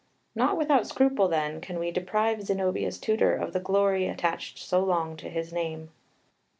Not without scruple, then, can we deprive Zenobia's tutor of the glory attached so long to his name.